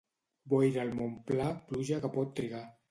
Boira al Mont Pla, pluja no pot trigar.